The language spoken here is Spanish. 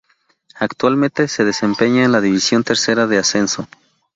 Actualmente se desempeña en la Divisional Tercera de Ascenso.